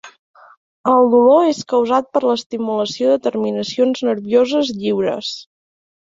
El dolor és causat per l'estimulació de terminacions nervioses lliures.